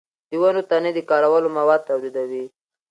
د ونو تنې د کارولو مواد تولیدوي.